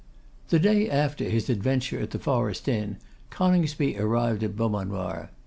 The day after his adventure at the Forest Inn, Coningsby arrived at Beaumanoir.